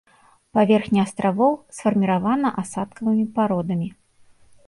Паверхня астравоў сфарміравана асадкавымі пародамі.